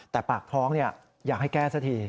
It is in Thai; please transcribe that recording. แต่ปากท้องเนี่ยอยากให้แก้ซะที